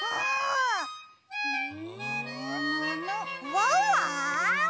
ワンワン？